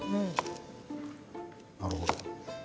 なるほど。